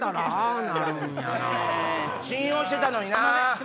信用してたのにな。